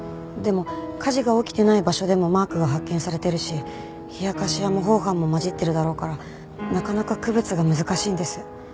でも火事が起きてない場所でもマークが発見されてるし冷やかしや模倣犯も交じってるだろうからなかなか区別が難しいんです。